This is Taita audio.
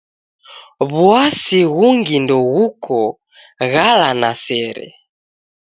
W'uasi ghungi ndeghuko ghala na sere.